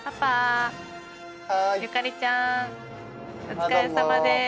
お疲れさまです